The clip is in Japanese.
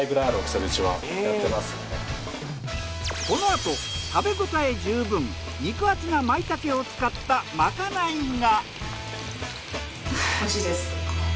このあと食べ応え十分肉厚なまいたけを使ったまかないが。